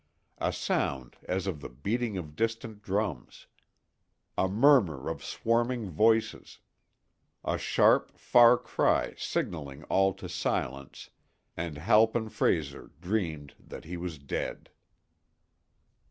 A sound as of the beating of distant drums—a murmur of swarming voices, a sharp, far cry signing all to silence, and Halpin Frayser dreamed that he was dead.